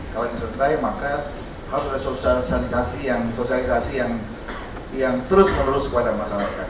kalau ini selesai maka harus ada sosialisasi yang terus menerus kepada masyarakat